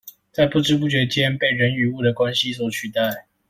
在不知不覺間被人與物的關係所取代